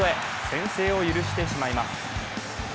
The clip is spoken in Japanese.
先制を許してしまいます。